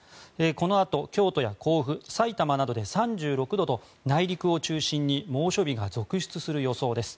このあと京都や甲府、さいたまなどで３６度と内陸を中心に猛暑日が続出する予想です。